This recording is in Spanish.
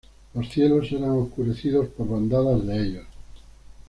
Los cielos eran oscurecidos por bandadas de ellos.